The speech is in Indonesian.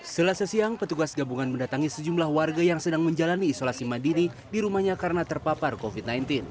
selasa siang petugas gabungan mendatangi sejumlah warga yang sedang menjalani isolasi mandiri di rumahnya karena terpapar covid sembilan belas